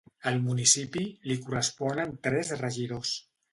Al municipi li corresponen tres regidors.